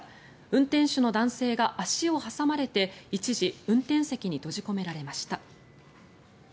運転手の男性が足を挟まれて一時、運転席に閉じ込められました。